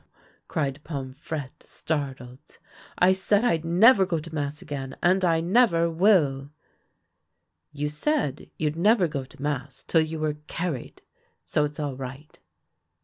cried Pomfrette, startled. " I said I'd never go to mass again, and I never will." " You said you'd never go to mass till you were car ried ; so it's all right."